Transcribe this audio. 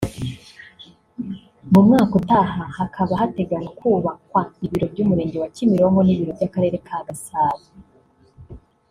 mu mwaka utaha hakaba hateganywa kubakwa ibiro by’Umurenge wa Kimironko n’ibiro by’Akarere ka Gasabo